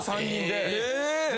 ３人で。